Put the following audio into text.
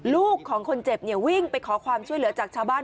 ลูกของคนเจ็บวิ่งไปขอความช่วยเหลือจากชาวบ้าน